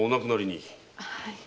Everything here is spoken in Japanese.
はい。